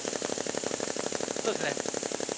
そうですね。